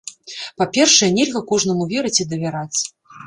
Па-першае, нельга кожнаму верыць і давяраць.